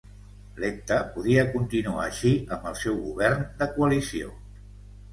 Letta podia continuar així amb el seu govern de coalició.